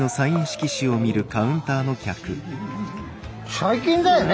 最近だよね